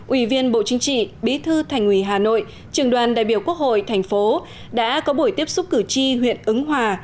ủy viên bộ chính trị bí thư thành ủy hà nội trường đoàn đại biểu quốc hội thành phố đã có buổi tiếp xúc cử tri huyện ứng hòa